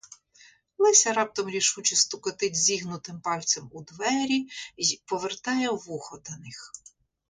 Леся раптом рішуче стукотить зігнутим пальцем у двері й повертає вухо до них.